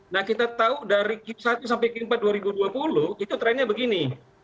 nah kita tahu dari q satu sampai q empat dua ribu dua puluh itu trennya begini